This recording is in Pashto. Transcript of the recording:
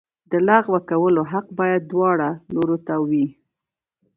د لغوه کولو حق باید دواړو لورو ته وي.